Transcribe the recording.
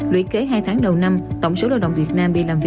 lũy kế hai tháng đầu năm tổng số lao động việt nam